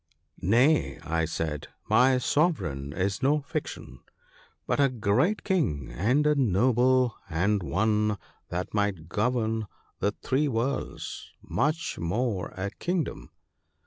' Nay/ I said, ' my Sovereign is no fiction, but a great King and a noble, and one that might govern the Three Worlds, much more a kingdom.'